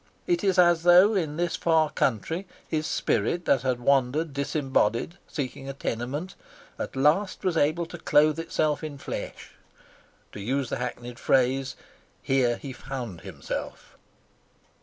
It is as though in this far country his spirit, that had wandered disembodied, seeking a tenement, at last was able to clothe itself in flesh. To use the hackneyed phrase, here he found himself.